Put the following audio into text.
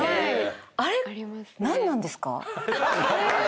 「あれなんなんですか？」！